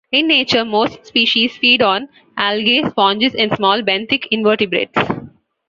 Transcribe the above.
In nature most species feed on algae, sponges and small benthic invertebrates.